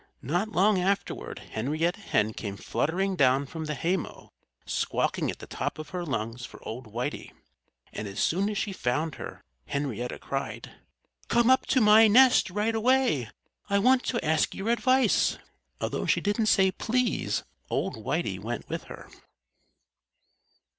Not long afterward Henrietta Hen came fluttering down from the haymow, squawking at the top of her lungs for old Whitey. And as soon as she found her, Henrietta cried, "Come up to my nest right away! I want to ask your advice." Although she didn't say "Please!" old Whitey went with her.